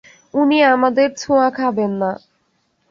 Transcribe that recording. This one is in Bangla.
উনি আমাদের ছোঁওয়া খাবেন না।